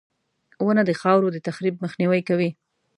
• ونه د خاورو د تخریب مخنیوی کوي.